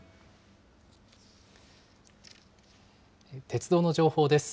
鉄道の情報です。